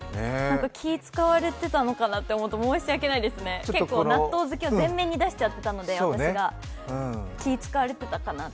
気を使われていたのかなと思うと、申し訳ないですね、結構納豆好きを前面に出していたので気を遣われてたかなって。